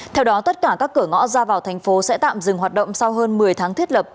theo đó tất cả các cửa ngõ ra vào thành phố sẽ tạm dừng hoạt động sau hơn một mươi tháng thiết lập